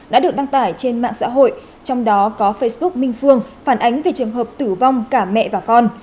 đã được đăng tải trên mạng xã hội trong đó có facebook minh phương phản ánh về trường hợp tử vong cả mẹ và con